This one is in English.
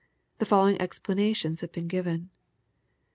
The following explanations have been given.